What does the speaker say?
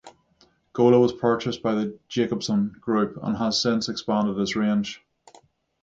Gola was purchased by the Jacobson Group and has since expanded its range.